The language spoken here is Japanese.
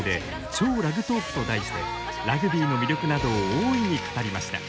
超ラグトークと題してラグビーの魅力などを大いに語りました。